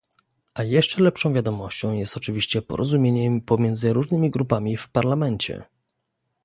A jeszcze lepszą wiadomością jest oczywiście porozumienie pomiędzy różnymi grupami w Parlamencie